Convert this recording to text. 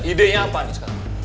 idenya apa nih sekarang